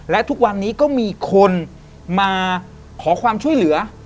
และทุกวันนี้ก็มีคนมาขอความช่วยเหลือ